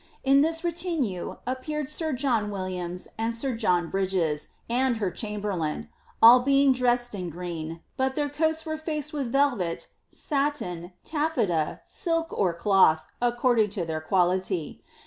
In this retinue appeared sir John Williams and sir John Bridges, and her chamberlain, all being dressed in green, but their coats were faced with velvet, satin, tafieta, silk, or cloth, according to their quality.